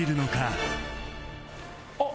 あっ！